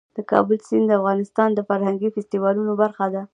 د کابل سیند د افغانستان د فرهنګي فستیوالونو برخه ده.